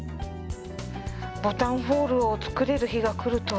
ボタンホールを作れる日が来るとは。